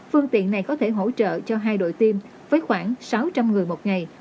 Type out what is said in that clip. phương tiện này có thể hỗ trợ cho hai đội tiêm với khoảng sáu trăm linh người một ngày